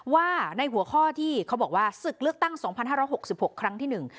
ว่าในหัวข้อที่เขาบอกว่าศึกเลือกตั้งสองพันห้าร้อยหกสิบหกครั้งที่หนึ่ง